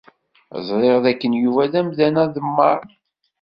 Ẓriɣ dakken Yuba d amdan aḍemmaɛ.